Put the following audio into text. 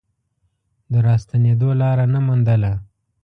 د راستنېدو لاره نه موندله.